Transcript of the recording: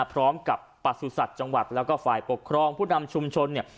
พร้อมกับประสุทธิ์สัตว์จังหวัดแล้วก็ฝ่ายปกครองผู้นำชุมชนเนี่ย